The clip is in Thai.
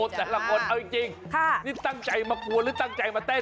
แต่ละคนเอาจริงนี่ตั้งใจมากวนหรือตั้งใจมาเต้น